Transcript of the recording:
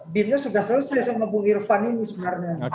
timnya sudah selesai sama bu irvan ini sebenarnya